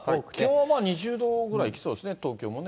気温も２０度ぐらいいきそうですね、東京もね。